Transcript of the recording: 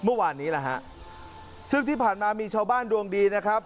เมื่อวานนี้แหละฮะซึ่งที่ผ่านมามีชาวบ้านดวงดีนะครับ